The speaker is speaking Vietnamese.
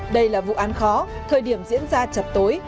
đây là vụ án khó thời điểm diễn ra chật tối